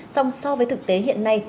xong so với thực tế hiện nay